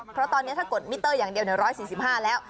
เพราะตอนนี้ถ้ากดมิเตอร์อย่างเดียว๑๔๕แล้ว